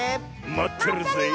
まってるぜえ。